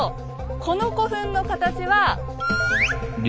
この古墳の形は？